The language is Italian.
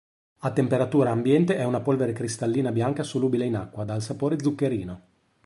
A temperatura ambiente è una polvere cristallina bianca solubile in acqua, dal sapore zuccherino.